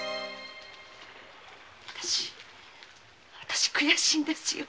私悔しいんですよ。